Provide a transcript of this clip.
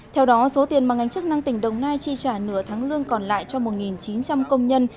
theo đó số tiền mà ngành chức năng tỉnh đồng nai chi trả nửa tháng lương còn lại cho một chín trăm linh công nhân